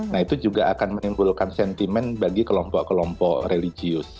nah itu juga akan menimbulkan sentimen bagi kelompok kelompok religius